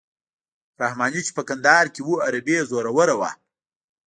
رحماني چې په کندهار کې وو عربي یې زوروره وه.